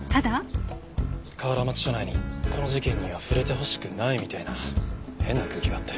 河原町署内にこの事件には触れてほしくないみたいな変な空気があって。